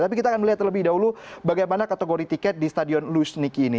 tapi kita akan melihat terlebih dahulu bagaimana kategori tiket di stadion luishniki ini